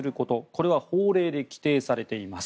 これは法令で規定されています。